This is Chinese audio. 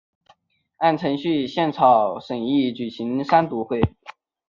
按程序宪草审议要举行三读会。